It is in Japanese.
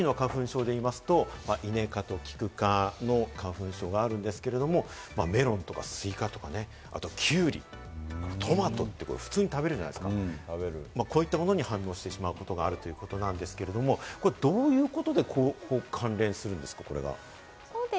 それから秋の花粉症でいいますと、イネ科とキク科の花粉症があるんですけれども、メロンとかスイカとか、あとキュウリ、トマトと普通に食べるじゃないですか、こういったものに反応してしまうということがあるということなんですけれども、どういうことで関連するんですか？